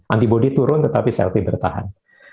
antibodi turun tetapi sel t bertahan